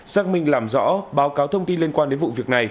giác minh làm rõ báo cáo thông tin liên quan đến vụ việc